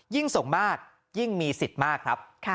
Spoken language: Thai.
ยิ่งส่งมากยิ่งมีสิทธิ์มากครับ